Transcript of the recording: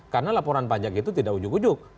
karena laporan pajak itu tidak ujuk ujuk